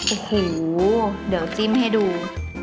โอ้โหเดี๋ยวจิ้มให้ดู